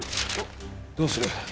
どうする？